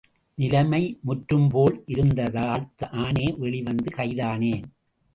நிலைமை முற்றும்போல் இருந்ததால் நானே வெளிவந்து கைதானேன்.